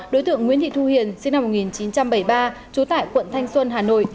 đối tượng nguyễn thị thu hiền sinh năm một nghìn chín trăm bảy mươi ba trú tại quận thanh xuân hà nội